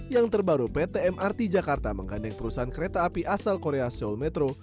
yang terbaru pt mrt jakarta menggandeng perusahaan kereta api asal korea seoul metro